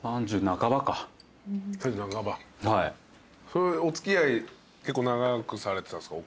それお付き合い結構長くされてたんですか？